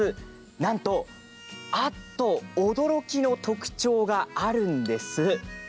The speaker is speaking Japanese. なんとあっと驚きの特徴があるんです。